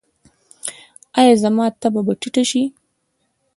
ایا زما تبه به ټیټه شي؟